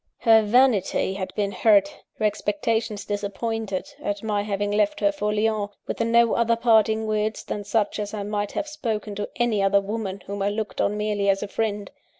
"Her vanity had been hurt, her expectations disappointed, at my having left her for Lyons, with no other parting words than such as I might have spoken to any other woman whom I looked on merely as a friend.